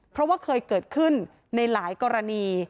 เพราะว่าเคยเกิดขึ้นในหลายกรณี